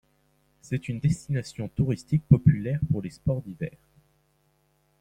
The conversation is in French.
C'est une destination touristique populaire pour les sports d'hiver.